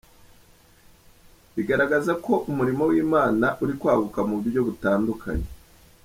Bigaragaza ko umurimo w’Imana uri kwaguka mu buryo butandukanye.